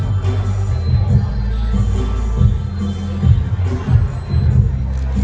สโลแมคริปราบาล